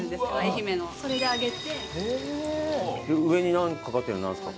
上にかかってるのなんですか？